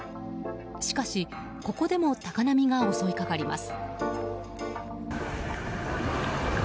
しかし、ここでも高波が襲いかかります。